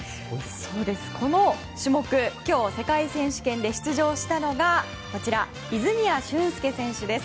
この種目今日、世界選手権で出場したのが泉谷駿介選手です。